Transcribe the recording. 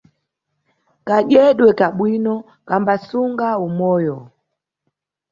Kadyedwe ka bwino kambasunga umoyo.